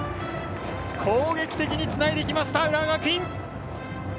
攻撃的につないでいきました浦和学院。